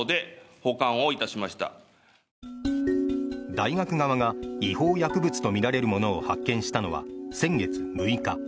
大学側が違法薬物とみられる物を発見したのは先月６日。